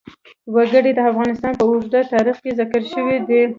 وګړي د افغانستان په اوږده تاریخ کې ذکر شوی دی.